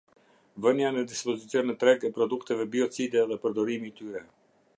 Vënia në dispozicion në treg e produkteve biocide dhe përdorimi i tyre.